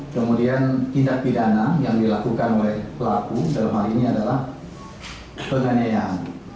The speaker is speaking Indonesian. kemudian tindak pidana yang dilakukan oleh pelaku dalam hal ini adalah penganiayaan